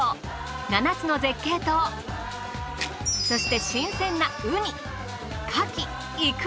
７つの絶景とそして新鮮なウニカキイクラ。